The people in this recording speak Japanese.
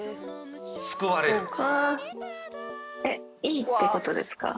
いいってことですか？